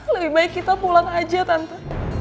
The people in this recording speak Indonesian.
lebih baik kita pulang aja tentu